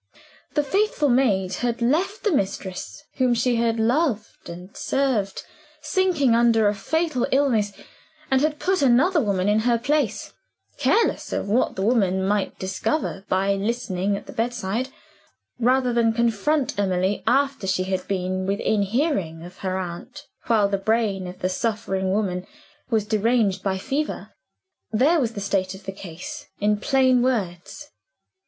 The faithful maid had left the mistress, whom she had loved and served, sinking under a fatal illness and had put another woman in her place, careless of what that woman might discover by listening at the bedside rather than confront Emily after she had been within hearing of her aunt while the brain of the suffering woman was deranged by fever. There was the state of the case, in plain words.